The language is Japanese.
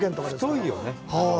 太いよね。